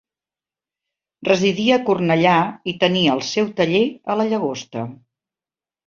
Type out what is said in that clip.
Residia a Cornellà i tenia el seu taller a La Llagosta.